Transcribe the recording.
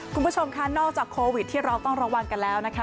คุณผู้ชมค่ะนอกจากโควิดที่เราต้องระวังกันแล้วนะคะ